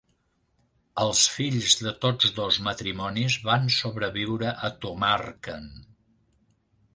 Els fills de tots dos matrimonis van sobreviure a Tomarken.